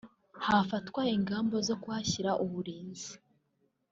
hafatwa ingamba zo kuhashyira uburinzi